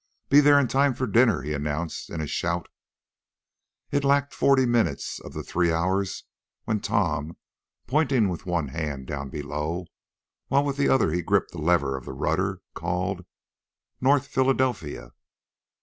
"Be there in time for dinner," he announced in a shout. It lacked forty minutes of the three hours when Tom, pointing with one hand down below, while with the other he gripped the lever of the rudder, called: "North Philadelphia!"